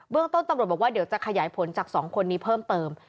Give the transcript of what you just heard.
เรื่องต้นตำรวจบอกว่าเดี๋ยวจะขยายผลจาก๒คนนี้เพิ่มเติม